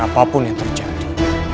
dan apapun yang terjadi